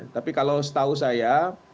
tapi kalau setahu saya